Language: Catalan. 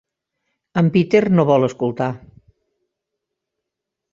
En Peter no vol escoltar.